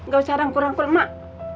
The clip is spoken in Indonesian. gak usah rangkul rangkul mak